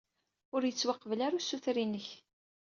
Ur yettwaqbel ara usuter-inek.